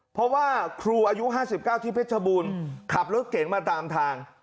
เพราะว่าครูอายุ๕๙ที่เพชรบูรณ์ขับรถเก๋งมาตามทาง